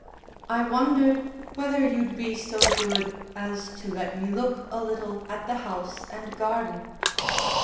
I wondered whether you'd be so good as to let me look a little at the house and garden."